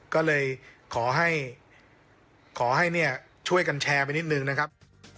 ก็เลยขอให้ขอให้เนี่ยช่วยกันแชร์ไปนิดนึงนะครับ